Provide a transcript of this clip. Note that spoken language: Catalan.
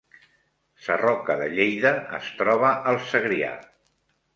Sarroca de Lleida es troba al Segrià